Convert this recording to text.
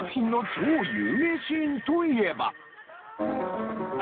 超有名シーンといえば。